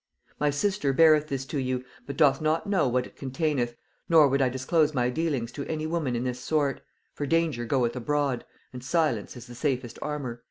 ] "My sister beareth this to you, but doth not know what it containeth, nor would I disclose my dealings to any woman in this sort; for danger goeth abroad, and silence is the safest armour."